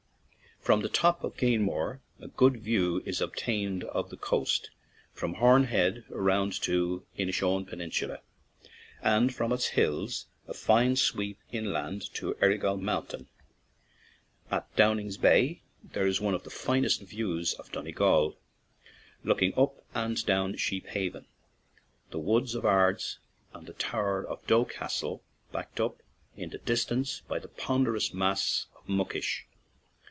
From the top of Ganiamore a good view is obtained of the coast from Horn Head round to Inishowen peninsula, and from its hills a fine sweep inland to Errigal Mountain. At Downing's Bay there is one of the finest views in Donegal, looking up and down Sheephaven, the woods of Ards and the tower of Doe Castle backed up in the distance by the ponderous mass of Muckish.